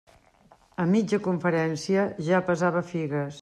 A mitja conferència ja pesava figues.